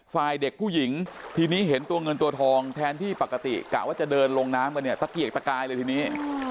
ฝ่ายเด็กผู้หญิงทีนี้เห็นตัวเงินตัวทองแทนที่ปกติกะว่าจะเดินลงน้ำกันเนี่ยตะเกียกตะกายเลยทีนี้